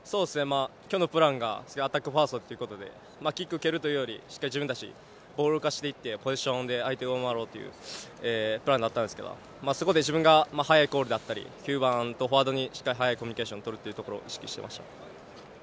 今日のプランがアタックファーストということでキックを蹴るというより自分たちボールを動かしてポジションで相手を上回ろうというプランでしたがそこで自分が早いコールであったり９番とフォワードに、早いコミュニケーションをとることを意識しました。